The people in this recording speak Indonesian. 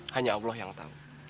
hanya allah yang tahu